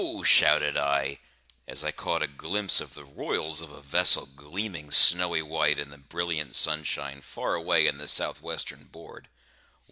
shouted I, as I caught a glimpse of the royals of a vessel gleaming snowy white in the brilliant sunshine far away in the south western board.